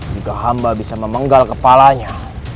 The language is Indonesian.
juga hamba bisa memenggal kepalanya